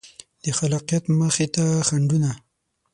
د خلاقیت مخې ته خنډونه